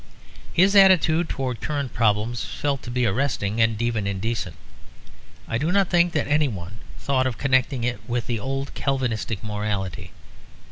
His attitude towards current problems was felt to be arresting and even indecent; I do not think that anyone thought of connecting it with the old Calvinistic morality.